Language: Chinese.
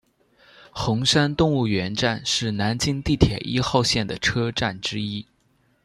红山动物园站是南京地铁一号线的车站之一。